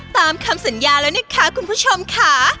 ตามคำสัญญาแล้วนะคะคุณผู้ชมค่ะ